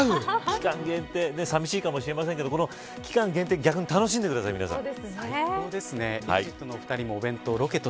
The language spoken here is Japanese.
期間限定寂しいかもしれませんが期間限定を逆に楽しんでください、皆さん。